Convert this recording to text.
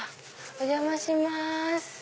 お邪魔します。